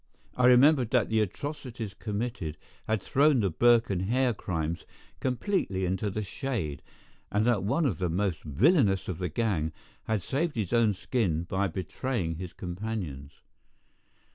I remembered that the atrocities committed had thrown the Burke and Hare crimes completely into the shade, and that one of the most villainous of the gang had saved his own skin by betraying his companions.